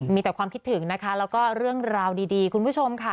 มีแต่ความคิดถึงนะคะแล้วก็เรื่องราวดีคุณผู้ชมค่ะ